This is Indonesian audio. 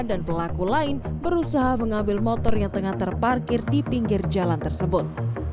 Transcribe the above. dan pelaku lain berusaha mengambil motor yang tengah terparkir di pinggir jalan tersebut